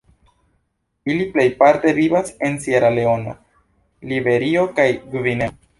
Ili plejparte vivas en Sieraleono, Liberio kaj Gvineo.